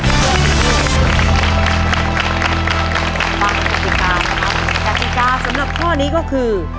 ศักดิ์กราศสำหรับพ่อนี้ก็คือ